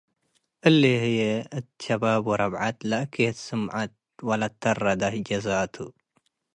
እሊ ህዬ እት ሸባብ ወረብዐት ለአኬት ስምዐት ወለትተረደ ጀዘ ቱ ።